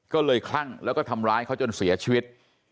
ก็เลยคลั่งแล้วก็ทำร้ายเขาจนเสียชีวิต